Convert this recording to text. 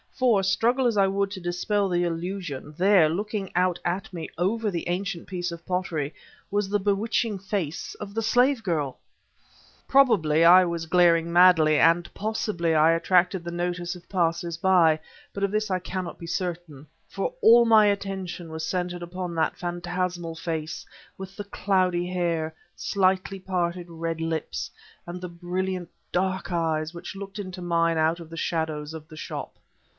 For, struggle as I would to dispel the illusion there, looking out at me over that ancient piece of pottery, was the bewitching face of the slave girl! Probably I was glaring madly, and possibly I attracted the notice of the passers by; but of this I cannot be certain, for all my attention was centered upon that phantasmal face, with the cloudy hair, slightly parted red lips, and the brilliant dark eyes which looked into mine out of the shadows of the shop.